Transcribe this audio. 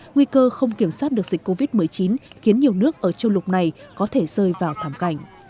nguy cơ không kiểm soát được dịch covid một mươi chín khiến nhiều nước ở châu lục này có thể rơi vào thảm cảnh